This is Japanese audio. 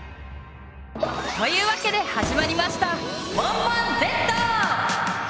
というわけで始まりました「モンモンＺ」！